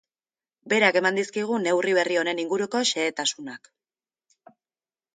Berak eman dizkigu neurri berri honen inguruko xehetasunak.